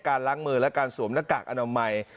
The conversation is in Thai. ล้างมือและการสวมหน้ากากอนามัย